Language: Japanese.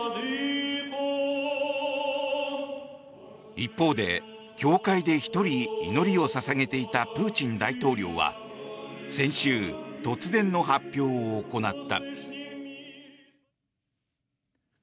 一方で教会で１人祈りを捧げていたプーチン大統領は先週突然の発表を行った。